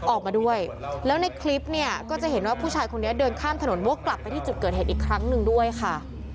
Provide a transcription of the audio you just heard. ออกมาด้วยแล้วในคลิปเนี่ยก็จะเห็นว่าผู้ชายคนนี้เดินข้ามถนนวกกลับไปที่จุดเกิดเหตุอีกครั้งหนึ่งด้วยค่ะ